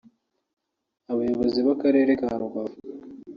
Abayobozi b’Akarere ka Rubavu